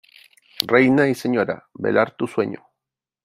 reina y señora , velar tu sueño .